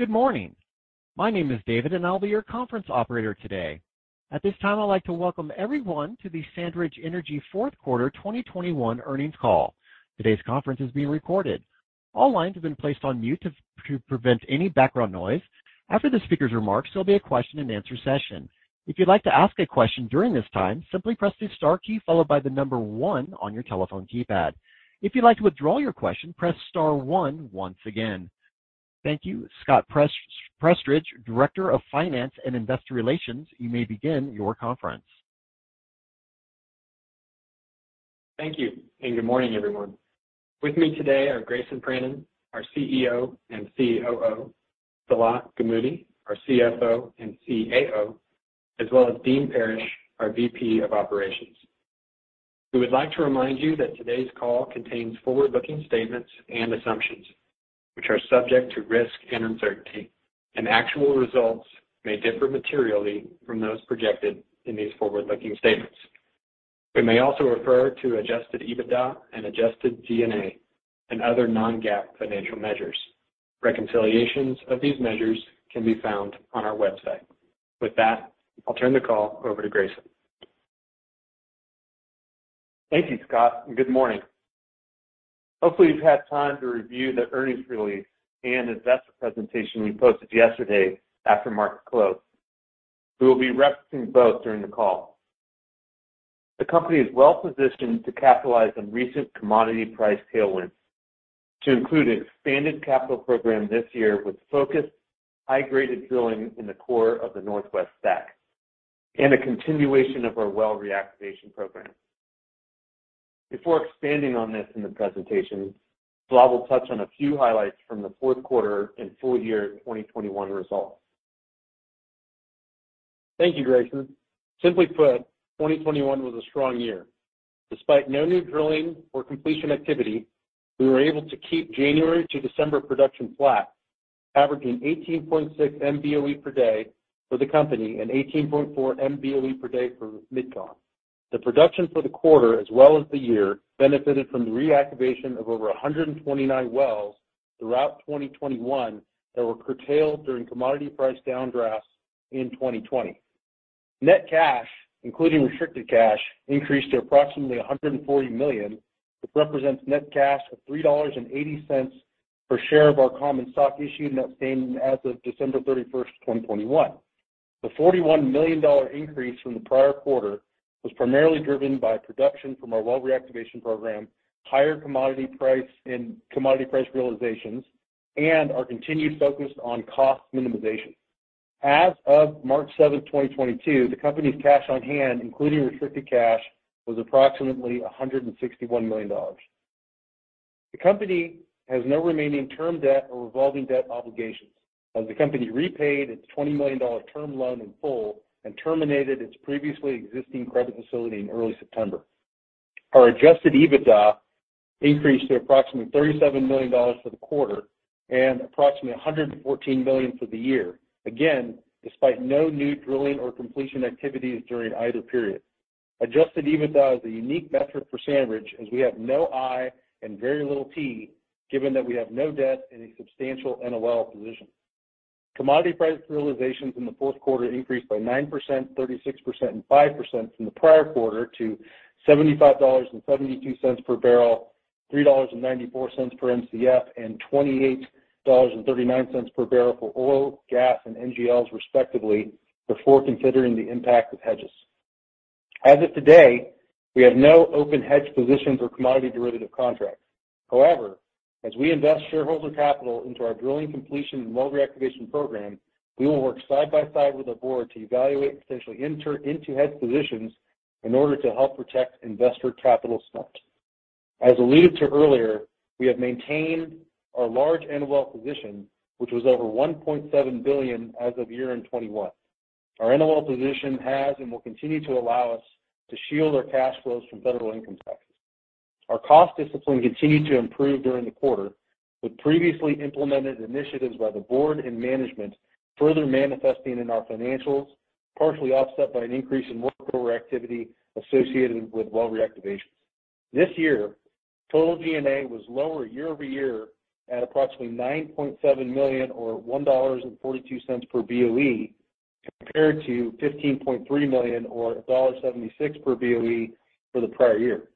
Good morning. My name is David, and I'll be your conference operator today. At this time, I'd like to welcome everyone to the SandRidge Energy Fourth Quarter 2021 earnings call. Today's conference is being recorded. All lines have been placed on mute to prevent any background noise. After the speaker's remarks, there'll be a question and answer session. If you'd like to ask a question during this time, simply press the star key followed by the number one on your telephone keypad. If you'd like to withdraw your question, press star one once again. Thank you. Scott Prestridge, Director of Finance and Investor Relations, you may begin your conference. Thank you, and good morning, everyone. With me today are Grayson Pranin, our CEO and COO, Salah Gamoudi, our CFO and CAO, as well as Dean Parrish, our VP of Operations. We would like to remind you that today's call contains forward-looking statements and assumptions, which are subject to risk and uncertainty, and actual results may differ materially from those projected in these forward-looking statements. We may also refer to adjusted EBITDA and adjusted G&A and other non-GAAP financial measures. Reconciliations of these measures can be found on our website. With that, I'll turn the call over to Grayson. Thank you, Scott, and good morning. Hopefully, you've had time to review the earnings release and investor presentation we posted yesterday after market close. We will be referencing both during the call. The company is well-positioned to capitalize on recent commodity price tailwinds to include an expanded capital program this year with focused high-graded drilling in the core of the Northwest STACK and a continuation of our well reactivation program. Before expanding on this in the presentation, Salah will touch on a few highlights from the fourth quarter and full year 2021 results. Thank you, Grayson. Simply put, 2021 was a strong year. Despite no new drilling or completion activity, we were able to keep January to December production flat, averaging 18.6 MBoe per day for the company and 18.4 MBoe per day for MidCon. The production for the quarter as well as the year benefited from the reactivation of over 129 wells throughout 2021 that were curtailed during commodity price downdrafts in 2020. Net cash, including restricted cash, increased to approximately $140 million, which represents net cash of $3.80 per share of our common stock issued and outstanding as of December 31st, 2021. The $41 million increase from the prior quarter was primarily driven by production from our well reactivation program, higher commodity price and commodity price realizations, and our continued focus on cost minimization. As of March 7th, 2022, the company's cash on hand, including restricted cash, was approximately $161 million. The company has no remaining term debt or revolving debt obligations, as the company repaid its $20 million term loan in full and terminated its previously existing credit facility in early September. Our adjusted EBITDA increased to approximately $37 million for the quarter and approximately $114 million for the year. Again, despite no new drilling or completion activities during either period. Adjusted EBITDA is a unique metric for SandRidge as we have no I and very little T, given that we have no debt and a substantial NOL position. Commodity price realizations in the fourth quarter increased by 9%, 36%, and 5% from the prior quarter to $75.72 per barrel, $3.94 per Mcf, and $28.39 per barrel for oil, gas, and NGLs, respectively, before considering the impact of hedges. As of today, we have no open hedge positions or commodity derivative contracts. However, as we invest shareholder capital into our drilling and completion and well reactivation program, we will work side by side with our board to evaluate potentially into hedge positions in order to help protect investor capital spent. As alluded to earlier, we have maintained our large NOL position, which was over $1.7 billion as of year-end 2021. Our NOL position has and will continue to allow us to shield our cash flows from federal income tax. Our cost discipline continued to improve during the quarter, with previously implemented initiatives by the board and management further manifesting in our financials, partially offset by an increase in workover activity associated with well reactivations. This year, total G&A was lower year-over-year at approximately $9.7 million or $1.42 per BOE compared to $15.3 million or $1.76 per BOE for the prior year.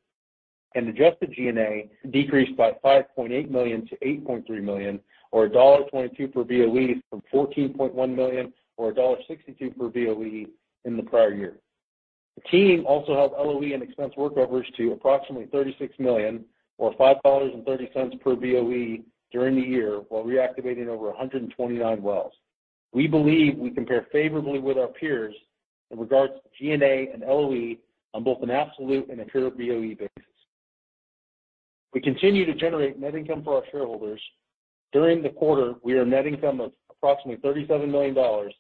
Adjusted G&A decreased by $5.8 million to $8.3 million or $1.22 per BOE from $14.1 million or $1.62 per BOE in the prior year. The team also held LOE and expense workovers to approximately $36 million or $5.30 per BOE during the year while reactivating over 129 wells. We believe we compare favorably with our peers in regards to G&A and LOE on both an absolute and a per BOE basis. We continue to generate net income for our shareholders. During the quarter, we reported net income of approximately $37 million,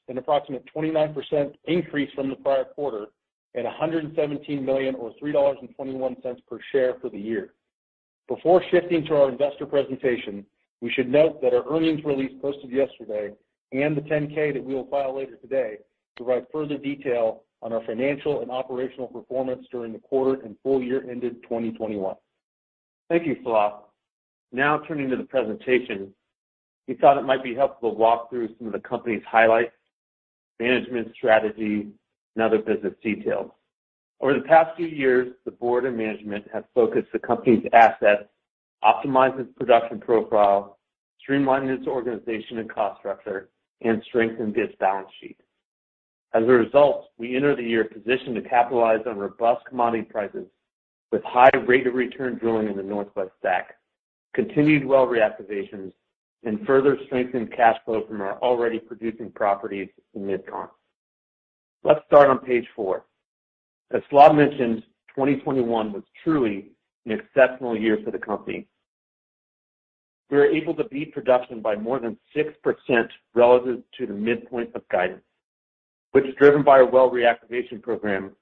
an approximate 29% increase from the prior quarter at a $117 million or $3.21 per share for the year. Before shifting to our investor presentation, we should note that our earnings release posted yesterday and the 10-K that we will file later today provide further detail on our financial and operational performance during the quarter and full year ended 2021. Thank you, Salah. Now turning to the presentation. We thought it might be helpful to walk through some of the company's highlights, management strategy, and other business details. Over the past few years, the board and management have focused the company's assets, optimized its production profile, streamlined its organization and cost structure, and strengthened its balance sheet. As a result, we enter the year positioned to capitalize on robust commodity prices with high rate of return drilling in the Northwest STACK, continued well reactivations, and further strengthened cash flow from our already producing properties in Mid-Con. Let's start on Page 4. As Salah mentioned, 2021 was truly an exceptional year for the company. We were able to beat production by more than 6% relative to the midpoint of guidance, which is driven by a well reactivation program,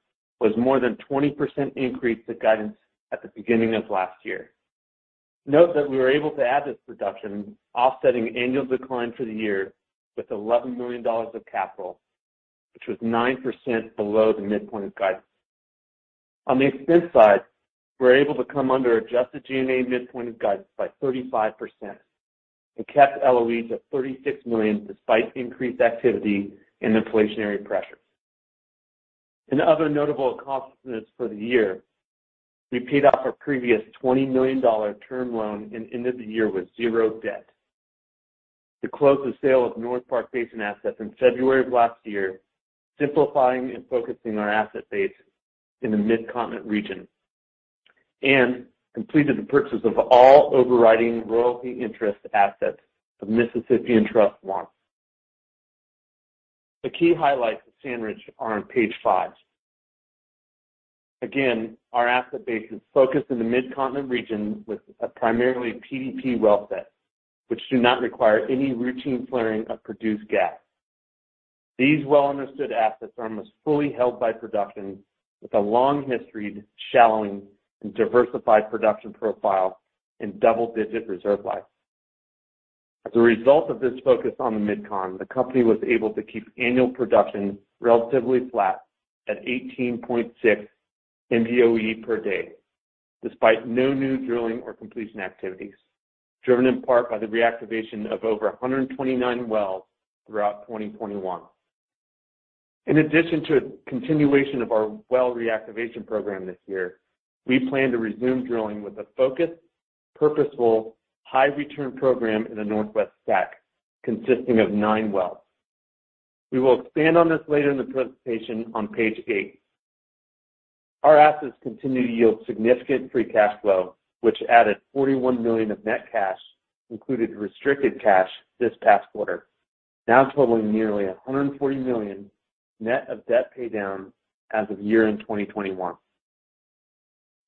was more than 20% increase to guidance at the beginning of last year. Note that we were able to add this production, offsetting annual decline for the year with $11 million of capital, which was 9% below the midpoint of guidance. On the expense side, we're able to come under adjusted G&A midpoint of guidance by 35% and kept LOEs at $36 million despite increased activity and inflationary pressures. In other notable accomplishments for the year, we paid off our previous $20 million term loan and ended the year with zero debt. We closed the sale of North Park Basin assets in February of last year, simplifying and focusing our asset base in the Mid-Continent region, and completed the purchase of all overriding royalty interest assets of SandRidge Mississippian Trust I. The key highlights of SandRidge are on Page 5. Again, our asset base is focused in the Mid-Continent region with a primarily PDP well set, which do not require any routine flaring of produced gas. These well-understood assets are almost fully held by production, with a long history of shallow decline and diversified production profile and double-digit reserve life. As a result of this focus on the Mid-Con, the company was able to keep annual production relatively flat at 18.6 MBoe per day, despite no new drilling or completion activities, driven in part by the reactivation of over 129 wells throughout 2021. In addition to continuation of our well reactivation program this year, we plan to resume drilling with a focused, purposeful, high return program in the Northwest STACK consisting of nine wells. We will expand on this later in the presentation on Page 8. Our assets continue to yield significant free cash flow, which added $41 million of net cash, included restricted cash this past quarter, now totaling nearly $140 million net of debt pay down as of year-end 2021.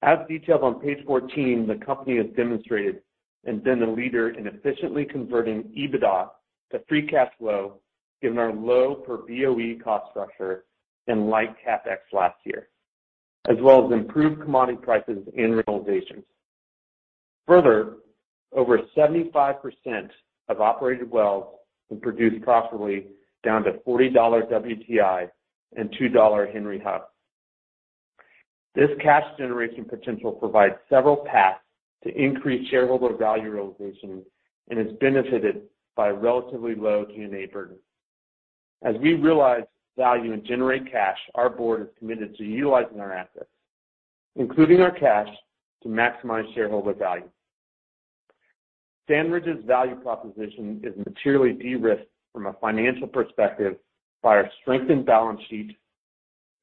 As detailed on Page 14, the company has demonstrated and been the leader in efficiently converting EBITDA to free cash flow, given our low per BOE cost structure and light CapEx last year, as well as improved commodity prices and realizations. Further, over 75% of operated wells can produce profitably down to $40 WTI and $2 Henry Hub. This cash generation potential provides several paths to increase shareholder value realization and is benefited by relatively low G&A burden. As we realize value and generate cash, our board is committed to utilizing our assets, including our cash, to maximize shareholder value. SandRidge's value proposition is materially de-risked from a financial perspective by our strengthened balance sheet,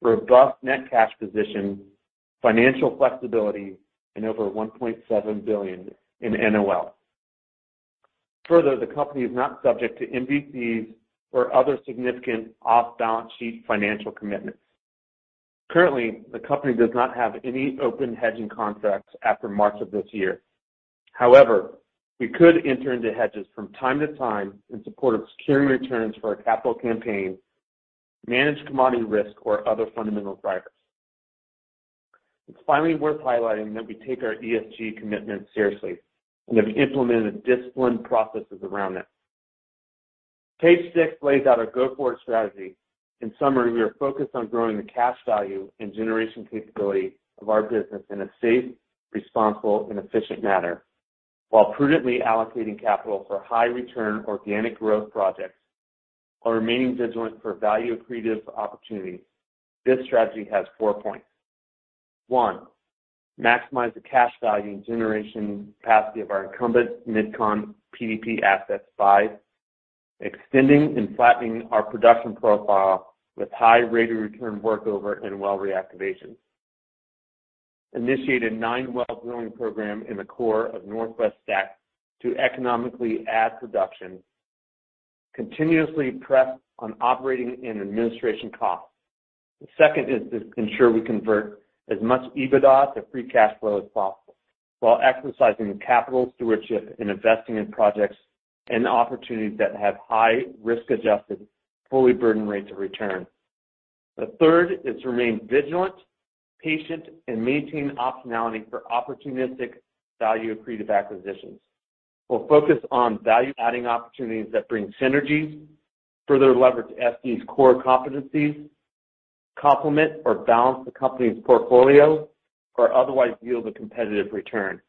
robust net cash position, financial flexibility, and over $1.7 billion in NOLs. Further, the company is not subject to MVCs or other significant off-balance sheet financial commitments. Currently, the company does not have any open hedging contracts after March of this year. However, we could enter into hedges from time to time in support of securing returns for our capital campaign, manage commodity risk or other fundamental drivers. It's finally worth highlighting that we take our ESG commitment seriously and have implemented disciplined processes around it. Page 6 lays out our go-forward strategy. In summary, we are focused on growing the cash value and generation capability of our business in a safe, responsible, and efficient manner, while prudently allocating capital for high return organic growth projects while remaining vigilant for value accretive opportunities. This strategy has four points. One, maximize the cash value and generation capacity of our incumbent Mid-Con PDP assets by extending and flattening our production profile with high rate of return workover and well reactivation. Initiate a nine-well drilling program in the core of Northwest STACK to economically add production. Continuously press on operating and administration costs. The second is to ensure we convert as much EBITDA to free cash flow as possible while exercising capital stewardship and investing in projects and opportunities that have high risk-adjusted, fully burdened rates of return. The third is to remain vigilant, patient, and maintain optionality for opportunistic value accretive acquisitions. We'll focus on value-adding opportunities that bring synergies, further leverage SE's core competencies, complement or balance the company's portfolio or otherwise yield a competitive return.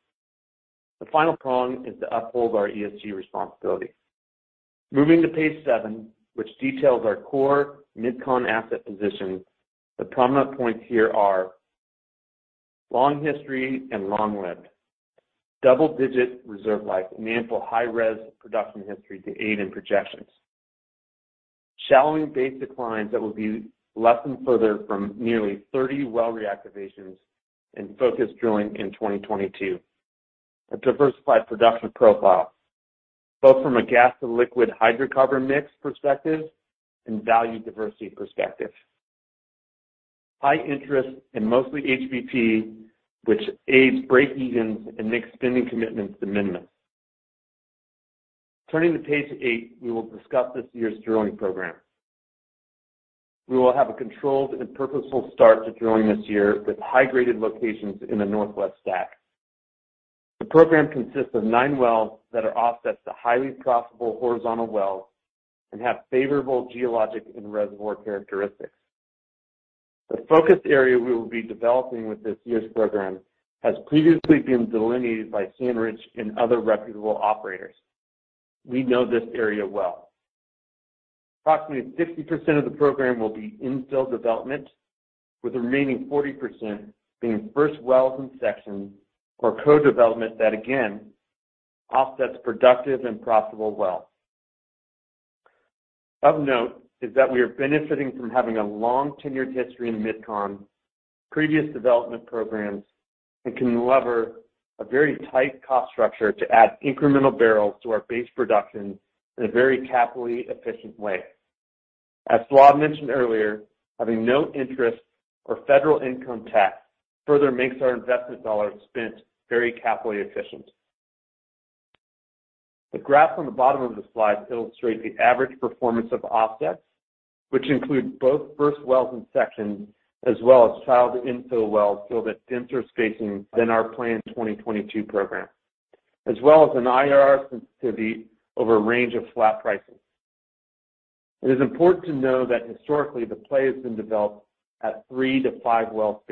The final prong is to uphold our ESG responsibility. Moving to Page 7, which details our core MidCon asset position. The prominent points here are long history and long lived. Double-digit reserve life and ample high-res production history to aid in projections. Shallowing base declines that will be lessened further from nearly 30 well reactivations and focused drilling in 2022. A diversified production profile, both from a gas to liquid hydrocarbon mix perspective and value diversity perspective. High interest and mostly HBP, which aids breakevens and makes spending commitments de minimis. Turning to Page 8, we will discuss this year's drilling program. We will have a controlled and purposeful start to drilling this year with high-graded locations in the Northwest STACK. The program consists of nine wells that are offsets to highly profitable horizontal wells and have favorable geologic and reservoir characteristics. The focus area we will be developing with this year's program has previously been delineated by SandRidge and other reputable operators. We know this area well. Approximately 60% of the program will be infill development, with the remaining 40% being first wells in section or co-development that again offsets productive and profitable wells. Of note is that we are benefiting from having a long-tenured history in MidCon, previous development programs, and can leverage a very tight cost structure to add incremental barrels to our base production in a very capital efficient way. As Salah mentioned earlier, having no interest or federal income tax further makes our investment dollars spent very capital efficient. The graph on the bottom of the slide illustrates the average performance of offsets, which include both first wells in section as well as child infill wells filled at denser spacing than our planned 2022 program, as well as an IRR sensitivity over a range of flat prices. It is important to know that historically the play has been developed at three to five well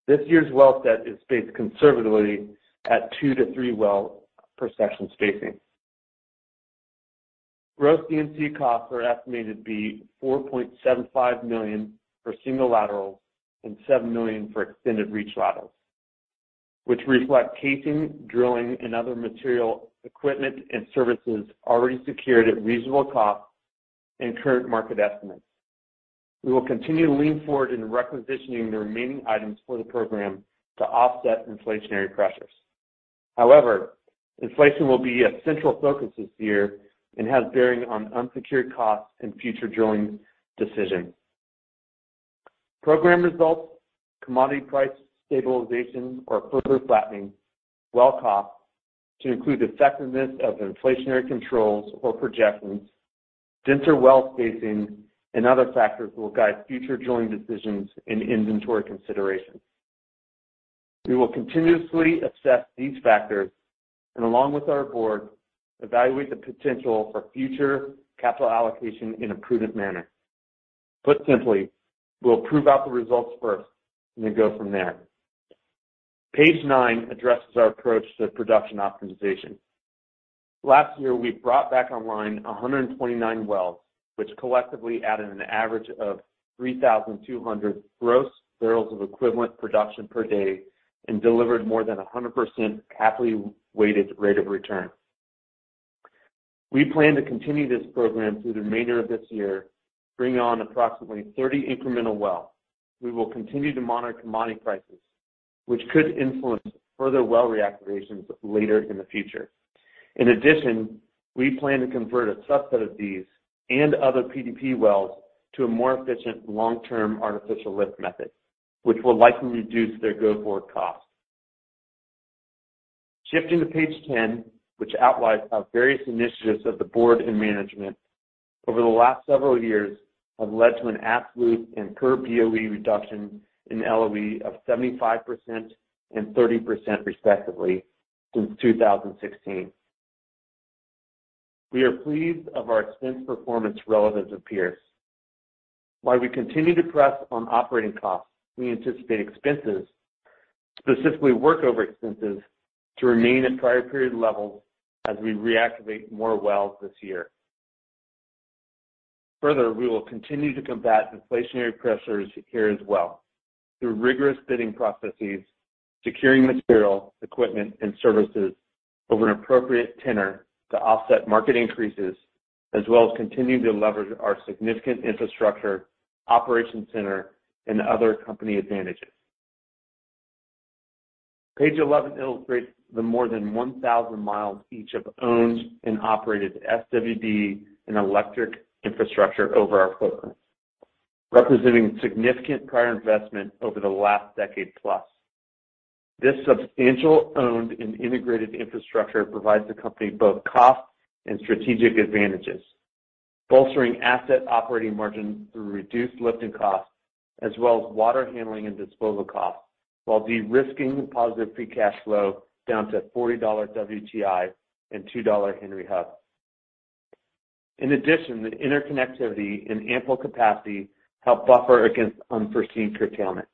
spacing. This year's well set is spaced conservatively at two to three well per section spacing. Gross D&C costs are estimated to be $4.75 million for single laterals and $7 million for extended reach laterals, which reflect casing, drilling, and other material equipment and services already secured at reasonable cost and current market estimates. We will continue to lean forward in requisitioning the remaining items for the program to offset inflationary pressures. However, inflation will be a central focus this year and has bearing on unsecured costs and future drilling decisions. Program results, commodity price stabilization or further flattening, well costs to include effectiveness of inflationary controls or projections, denser well spacing and other factors will guide future drilling decisions and inventory considerations. We will continuously assess these factors and along with our board, evaluate the potential for future capital allocation in a prudent manner. Put simply, we'll prove out the results first and then go from there. Page 9 addresses our approach to production optimization. Last year, we brought back online 129 wells, which collectively added an average of 3,200 gross barrels of oil equivalent per day and delivered more than 100% capital weighted rate of return. We plan to continue this program through the remainder of this year, bringing on approximately 30 incremental wells. We will continue to monitor commodity prices, which could influence further well reactivations later in the future. In addition, we plan to convert a subset of these and other PDP wells to a more efficient long-term artificial lift method, which will likely reduce their go-forward costs. Shifting to Page 10, which outlines our various initiatives of the board and management over the last several years have led to an absolute and per BOE reduction in LOE of 75% and 30% respectively since 2016. We are pleased with our expense performance relative to peers. While we continue to press on operating costs, we anticipate expenses, specifically workover expenses, to remain at prior period levels as we reactivate more wells this year. Further, we will continue to combat inflationary pressures here as well through rigorous bidding processes, securing material, equipment, and services over an appropriate tenor to offset market increases, as well as continuing to leverage our significant infrastructure, operations center, and other company advantages. Page 11 illustrates the more than 1,000 miles each of owned and operated SWD and electric infrastructure over our footprint, representing significant prior investment over the last decade plus. This substantial owned and integrated infrastructure provides the company both cost and strategic advantages, bolstering asset operating margins through reduced lifting costs as well as water handling and disposal costs, while de-risking positive free cash flow down to $40 WTI and $2 Henry Hub. In addition, the interconnectivity and ample capacity help buffer against unforeseen curtailment.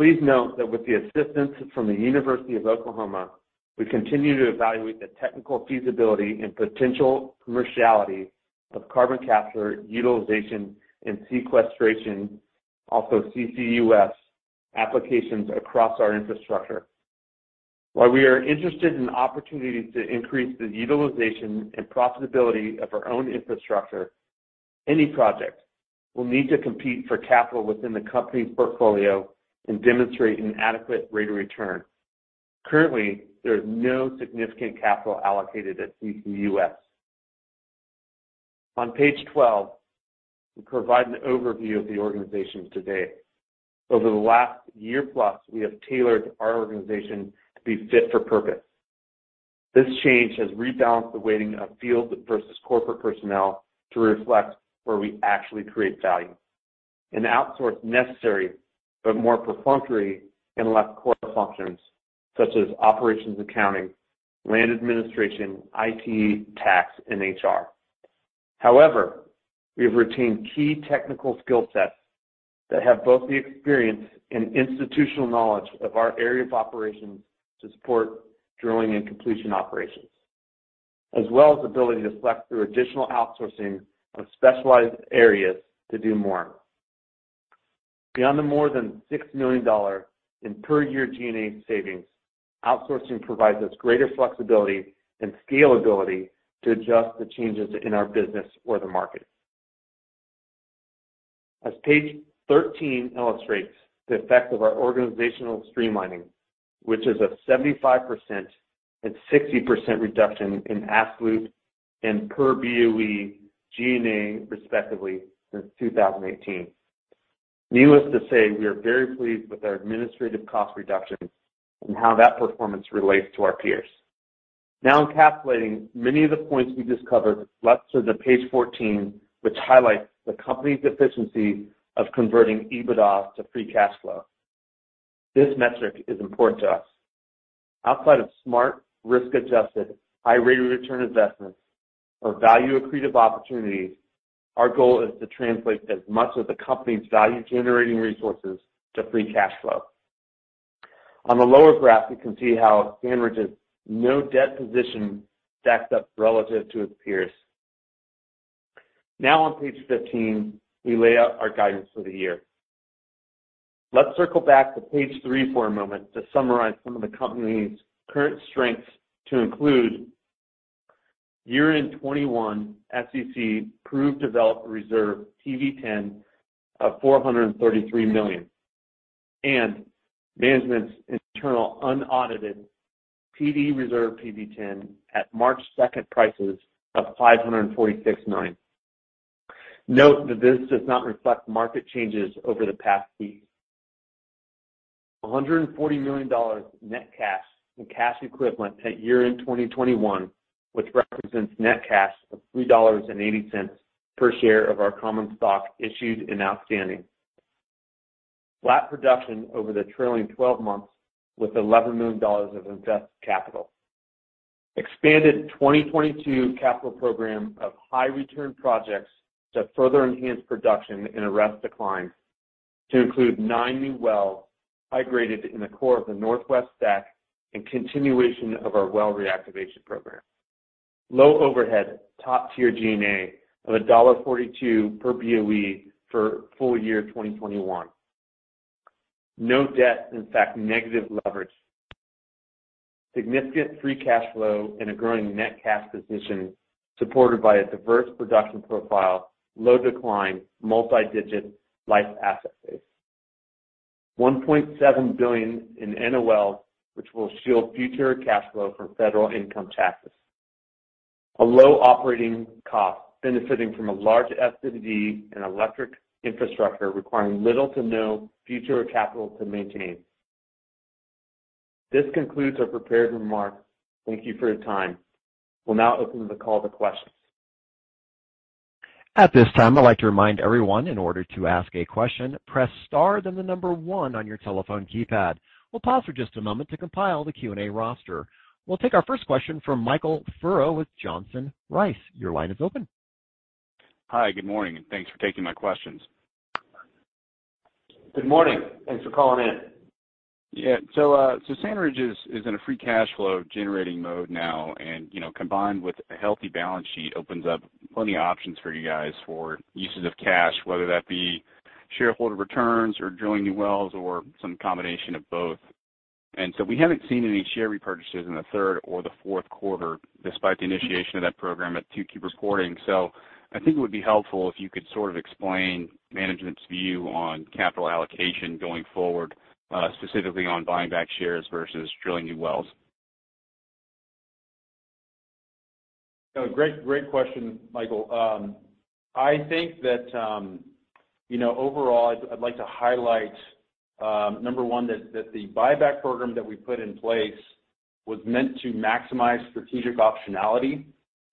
Please note that with the assistance from the University of Oklahoma, we continue to evaluate the technical feasibility and potential commerciality of carbon capture, utilization, and sequestration, also CCUS, applications across our infrastructure. While we are interested in opportunities to increase the utilization and profitability of our own infrastructure, any project will need to compete for capital within the company's portfolio and demonstrate an adequate rate of return. Currently, there is no significant capital allocated at CCUS. On Page 12, we provide an overview of the organization today. Over the last year plus, we have tailored our organization to be fit for purpose. This change has rebalanced the weighting of field versus corporate personnel to reflect where we actually create value and outsource necessary but more perfunctory and less core functions such as operations accounting, land administration, IT, tax, and HR. However, we have retained key technical skill sets that have both the experience and institutional knowledge of our area of operations to support drilling and completion operations, as well as ability to flex through additional outsourcing of specialized areas to do more. Beyond the more than $6 million in per year G&A savings, outsourcing provides us greater flexibility and scalability to adjust the changes in our business or the market. As Page 13 illustrates the effect of our organizational streamlining, which is a 75% and 60% reduction in absolute and per BOE G&A respectively since 2018. Needless to say, we are very pleased with our administrative cost reduction and how that performance relates to our peers. Now encapsulating many of the points we just covered, let's turn to Page 14, which highlights the company's efficiency of converting EBITDA to free cash flow. This metric is important to us. Outside of smart, risk-adjusted, high rate of return investments or value accretive opportunities, our goal is to translate as much of the company's value-generating resources to free cash flow. On the lower graph, you can see how SandRidge's no debt position stacks up relative to its peers. Now on Page 15, we lay out our guidance for the year. Let's circle back to Page 3 for a moment to summarize some of the company's current strengths to include year-end 2021 SEC proved developed reserve PV-10 of $433 million, and management's internal unaudited PD reserve PV-10 at March 2nd prices of $546 million. Note that this does not reflect market changes over the past week. $140 million net cash and cash equivalent at year-end 2021, which represents net cash of $3.80 per share of our common stock issued and outstanding. Flat production over the trailing 12 months with $11 million of invested capital. Expanded 2022 capital program of high return projects to further enhance production and arrest decline to include nine new wells high-graded in the core of the Northwest STACK and continuation of our well reactivation program. Low overhead, top-tier G&A of $1.42 per BOE for full year 2021. No debt, in fact, negative leverage. Significant free cash flow and a growing net cash position supported by a diverse production profile, low decline, multi-decade life asset base. $1.7 billion in NOL, which will shield future cash flow from federal income taxes. A low operating cost benefiting from a large SWD and electric infrastructure requiring little to no future capital to maintain. This concludes our prepared remarks. Thank you for your time. We'll now open the call to questions. At this time, I'd like to remind everyone in order to ask a question, press star then the number one on your telephone keypad. We'll pause for just a moment to compile the Q&A roster. We'll take our first question from Michael Furrow with Johnson Rice. Your line is open. Hi, Good morning, and thanks for taking my questions. Good morning. Thanks for calling in. Yeah. SandRidge is in a free cash flow generating mode now, and, you know, combined with a healthy balance sheet opens up plenty of options for you guys for uses of cash, whether that be shareholder returns or drilling new wells or some combination of both. We haven't seen any share repurchases in the third or the fourth quarter despite the initiation of that program at 2Q reporting. I think it would be helpful if you could sort of explain management's view on capital allocation going forward, specifically on buying back shares versus drilling new wells. Great question, Michael. I think that, you know, overall I'd like to highlight, number one, that the buyback program that we put in place was meant to maximize strategic optionality,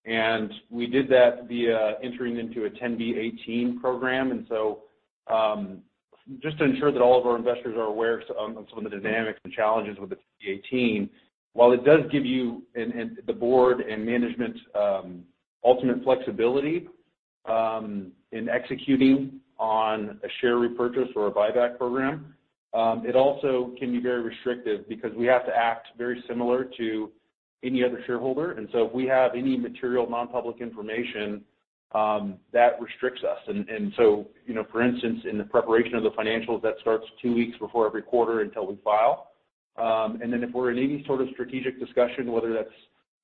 and we did that via entering into a 10b-18 program. Just to ensure that all of our investors are aware of some of the dynamics and challenges with the 10b-18, while it does give you and the board and management, ultimate flexibility, in executing on a share repurchase or a buyback program, it also can be very restrictive because we have to act very similar to any other shareholder. You know, for instance, in the preparation of the financials, that starts two weeks before every quarter until we file. Then if we're in any sort of strategic discussion, whether that's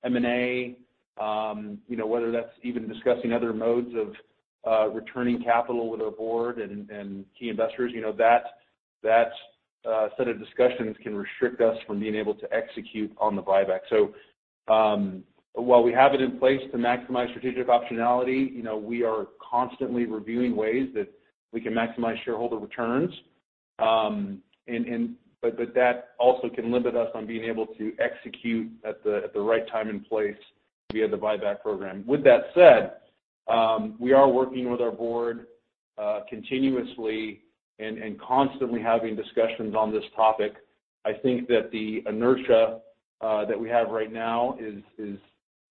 M&A, you know, whether that's even discussing other modes of returning capital with our board and key investors, you know, that set of discussions can restrict us from being able to execute on the buyback. While we have it in place to maximize strategic optionality, you know, we are constantly reviewing ways that we can maximize shareholder returns. That also can limit us on being able to execute at the right time and place via the buyback program. With that said, we are working with our board continuously and constantly having discussions on this topic. I think that the inertia that we have right now is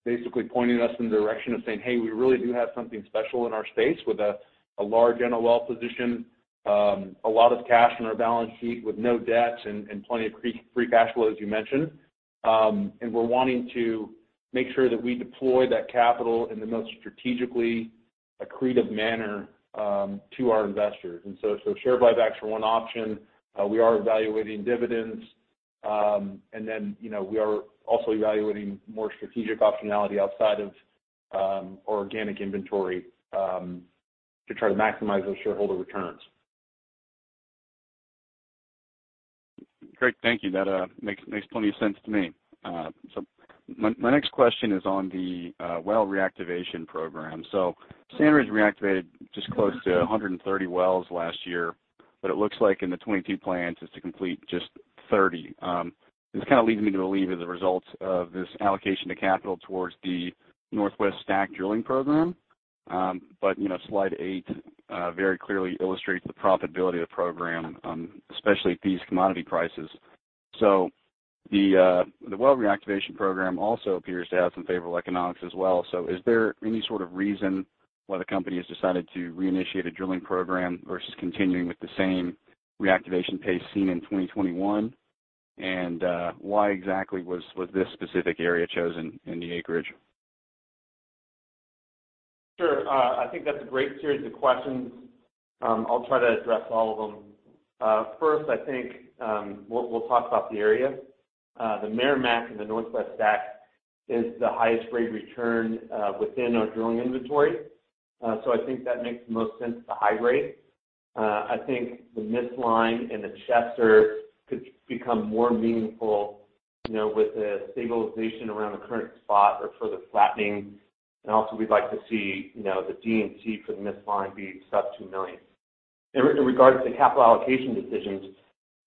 basically pointing us in the direction of saying, "Hey, we really do have something special in our space with a large NOL position, a lot of cash in our balance sheet with no debts and plenty of free cash flow," as you mentioned. We're wanting to make sure that we deploy that capital in the most strategically accretive manner to our investors. Share buybacks are one option. We are evaluating dividends. You know, we are also evaluating more strategic optionality outside of organic inventory to try to maximize those shareholder returns. Great. Thank you. That makes plenty of sense to me. My next question is on the well reactivation program. SandRidge reactivated just close to 130 wells last year, but it looks like in the 2022 plans, it's to complete just 30. This kind of leads me to believe that the results of this allocation of capital towards the Northwest STACK drilling program. You know, Slide 8 very clearly illustrates the profitability of the program, especially at these commodity prices. The well reactivation program also appears to have some favorable economics as well. Is there any sort of reason why the company has decided to reinitiate a drilling program versus continuing with the same reactivation pace seen in 2021? Why exactly was this specific area chosen in the acreage? Sure. I think that's a great series of questions. I'll try to address all of them. First, I think we'll talk about the area. The Meramec in the Northwest STACK is the highest grade return within our drilling inventory. So I think that makes the most sense to hydrate. I think the Miss Lime and the Chester could become more meaningful, you know, with the stabilization around the current spot or further flattening. We'd like to see, you know, the D&C for the Miss Lime be sub-$2 million. In regards to capital allocation decisions,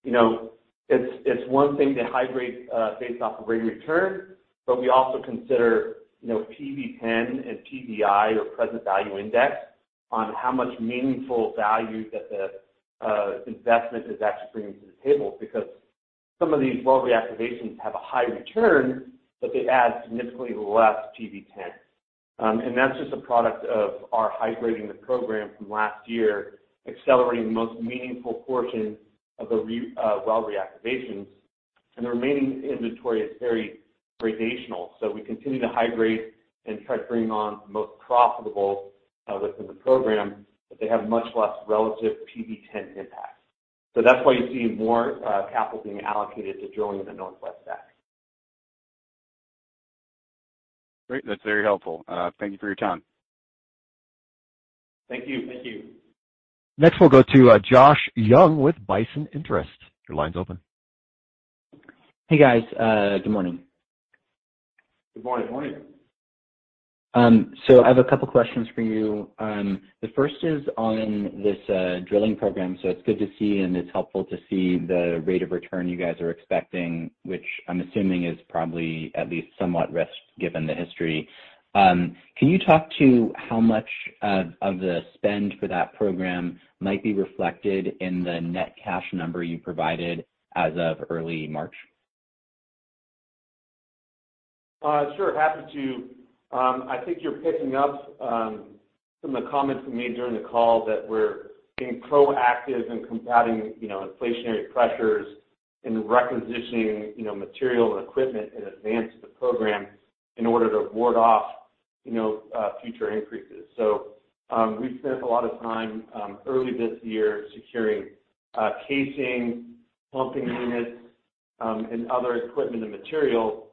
you know, it's one thing to hydrate based off of rate of return, but we also consider, you know, PV-10 and PVI or present value index on how much meaningful value that the investment is actually bringing to the table because some of these well reactivations have a high return, but they add significantly less PV-10. That's just a product of our hydrating the program from last year, accelerating the most meaningful portion of the well reactivations. The remaining inventory is very gradational. We continue to hydrate and try to bring on the most profitable within the program, but they have much less relative PV-10 impact. That's why you're seeing more capital being allocated to drilling in the Northwest STACK. Great. That's very helpful. Thank you for your time. Thank you. Next, we'll go to Josh Young with Bison Interests. Your line's open. Hey, guys. Good morning. Good morning. I have a couple questions for you. The first is on this drilling program. It's good to see and it's helpful to see the rate of return you guys are expecting, which I'm assuming is probably at least somewhat risky given the history. Can you talk to how much of the spend for that program might be reflected in the net cash number you provided as of early March? Sure. Happy to. I think you're picking up some of the comments we made during the call that we're being proactive in combating, you know, inflationary pressures and repositioning, you know, material and equipment in advance of the program in order to ward off, you know, future increases. We've spent a lot of time early this year securing casing, pumping units, and other equipment and material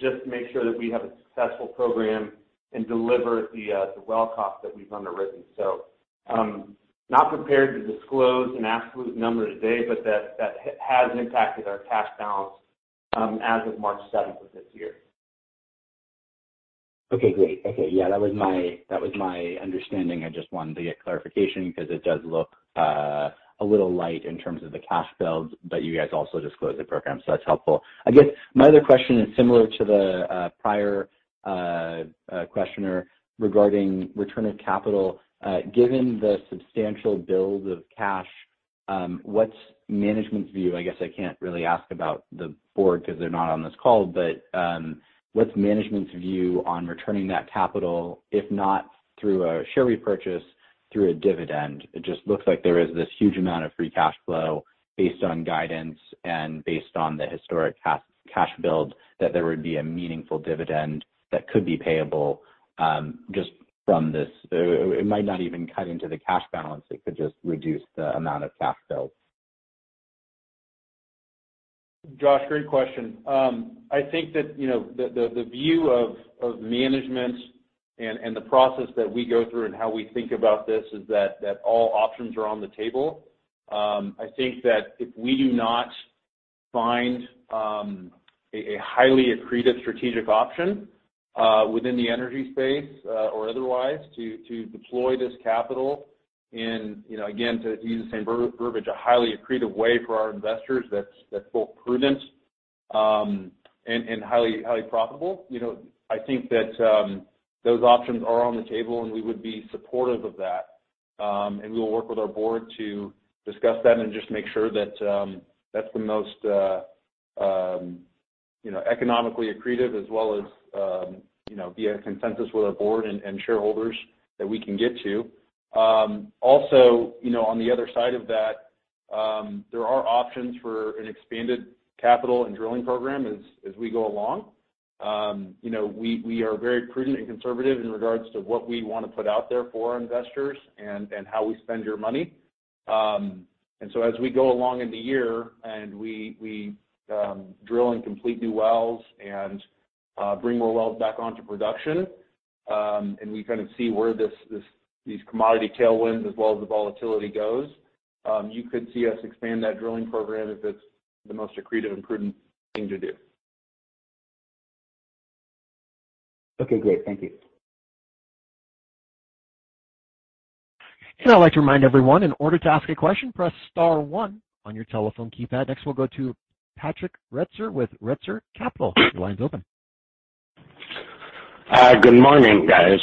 just to make sure that we have a successful program and deliver the well cost that we've underwritten. Not prepared to disclose an absolute number today, but that has impacted our cash balance as of March 17th of this year. Okay, great. Okay. Yeah, that was my understanding. I just wanted to get clarification because it does look a little light in terms of the cash build, but you guys also disclosed the program, so that's helpful. I guess my other question is similar to the prior questioner regarding return of capital. Given the substantial build of cash, what's management's view? I guess I can't really ask about the board because they're not on this call, but what's management's view on returning that capital, if not through a share repurchase, through a dividend? It just looks like there is this huge amount of free cash flow based on guidance and based on the historic cash build, that there would be a meaningful dividend that could be payable just from this. It might not even cut into the cash balance. It could just reduce the amount of cash build. Josh, great question. I think that, you know, the view of management and the process that we go through and how we think about this is that all options are on the table. I think that if we do not find a highly accretive strategic option within the energy space or otherwise to deploy this capital and, you know, again, to use the same verbiage, a highly accretive way for our investors that's both prudent and highly profitable. You know, I think that those options are on the table, and we would be supportive of that. We will work with our board to discuss that and just make sure that that's the most, you know, economically accretive as well as, you know, via consensus with our board and shareholders that we can get to. Also, you know, on the other side of that, there are options for an expanded capital and drilling program as we go along. You know, we are very prudent and conservative in regards to what we wanna put out there for our investors and how we spend your money. As we go along in the year and we drill and complete new wells and bring more wells back onto production, and we kind of see where these commodity tailwinds as well as the volatility goes, you could see us expand that drilling program if it's the most accretive and prudent thing to do. Okay, great. Thank you. I'd like to remind everyone, in order to ask a question, press star one on your telephone keypad. Next, we'll go to Patrick Retzer with Retzer Capital. Your line's open. Good morning, guys.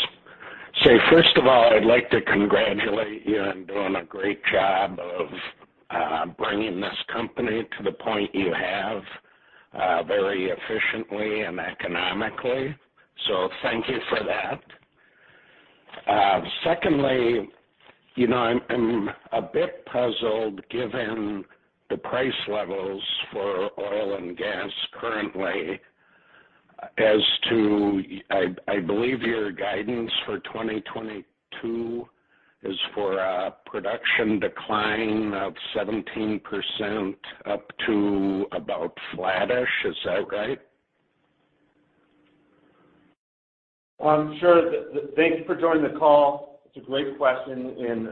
First of all, I'd like to congratulate you on doing a great job of bringing this company to the point you have, very efficiently and economically. Thank you for that. Secondly, you know, I'm a bit puzzled given the price levels for oil and gas currently as to, I believe your guidance for 2022 is for a production decline of 17% up to about flattish. Is that right? Sure. Thank you for joining the call. It's a great question, and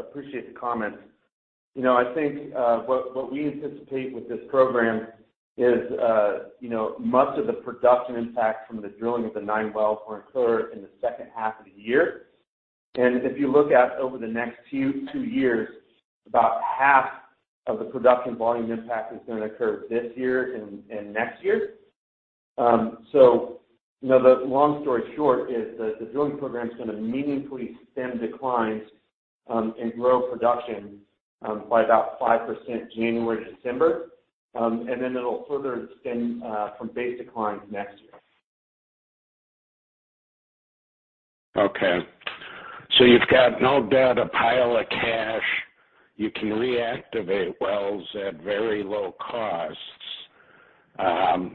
appreciate the comments. You know, I think what we anticipate with this program is you know, most of the production impact from the drilling of the nine wells will occur in the second half of the year. If you look at over the next two years, about half of the production volume impact is gonna occur this year and next year. You know, the long story short is that the drilling program is gonna meaningfully stem declines and grow production by about 5% January to December, and then it'll further stem from base declines next year. Okay. You've got no doubt a pile of cash. You can reactivate wells at very low costs,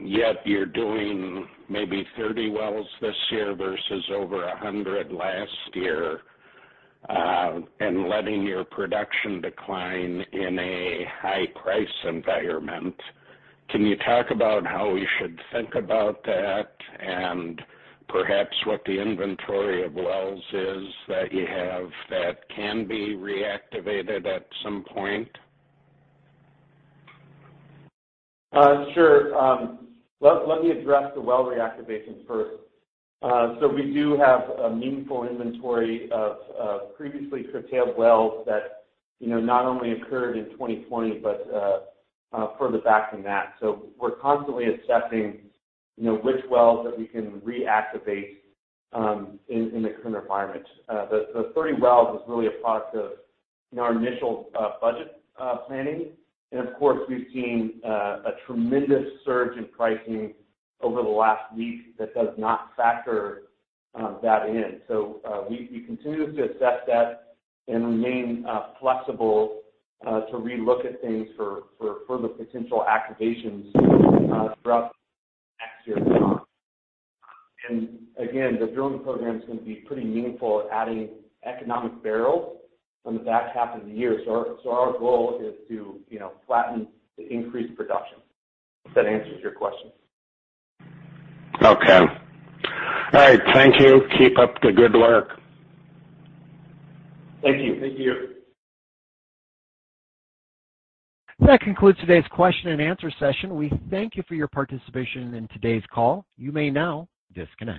yet you're doing maybe 30 wells this year versus over 100 last year, and letting your production decline in a high price environment. Can you talk about how we should think about that and perhaps what the inventory of wells is that you have that can be reactivated at some point? Sure. Let me address the well reactivation first. We do have a meaningful inventory of previously curtailed wells that, you know, not only occurred in 2020, but further back than that. We're constantly assessing, you know, which wells that we can reactivate in the current environment. The 30 wells is really a product of, you know, our initial budget planning. Of course, we've seen a tremendous surge in pricing over the last week that does not factor that in. We continue to assess that and remain flexible to relook at things for further potential activations throughout next year and on. Again, the drilling program is gonna be pretty meaningful adding economic barrels from the back half of the year. Our goal is to, you know, flatten the increased production. If that answers your question. Okay. All right. Thank you. Keep up the good work. Thank you. Thank you. That concludes today's question and answer session. We thank you for your participation in today's call. You may now disconnect.